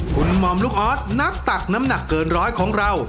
คุณหม่อมลูกออสนักตักน้ำหนักเกินร้อยของเรา